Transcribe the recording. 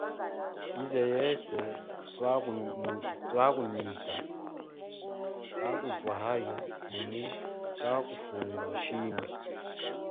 Yize yeswe twakumwita kakutwahayo mumu twakufunga shimbi.